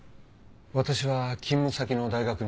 私は勤務先の大学に。